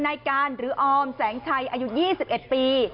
ในการหรือออมแสงชัยอายุ๒๑ปี